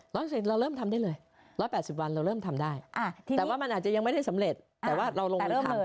เราเริ่มทำได้เลย๑๘๐วันเราเริ่มทำได้แต่ว่ามันอาจจะยังไม่ได้สำเร็จแต่ว่าเราลงไปแล้วทำ